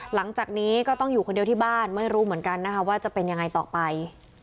หลังจากนี้ก็ต้องอยู่คนเดียวที่บ้านไม่รู้เหมือนกันนะคะว่าจะเป็นยังไงต่อไป